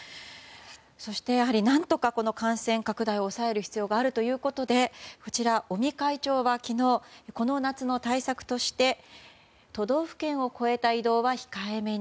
そして何とかこの感染拡大を抑える必要があるということで尾身会長は昨日、この夏の対策として都道府県を越えた移動は控えめに。